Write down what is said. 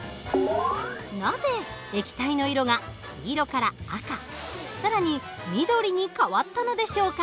なぜ液体の色が黄色から赤更に緑に変わったのでしょうか？